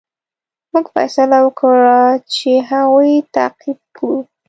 موږ فیصله وکړه چې هغوی تعقیب کړو.